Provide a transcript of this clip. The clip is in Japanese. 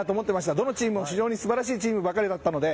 どのチームも素晴らしいチームだったので